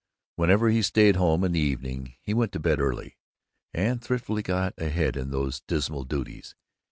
Whenever he stayed home in the evening he went to bed early, and thriftily got ahead in those dismal duties.